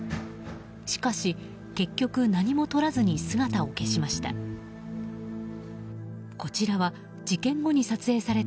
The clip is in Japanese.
しかし、結局何もとらずに姿を消しました。